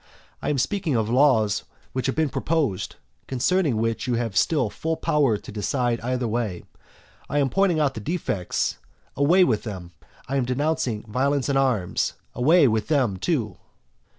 I am speaking of laws which have been proposed, concerning which you have still full power to decide either way. I am pointing out the defects, away with them! I am denouncing violence and arms, away with them too!